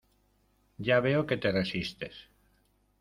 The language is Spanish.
Ya veo que te resistes.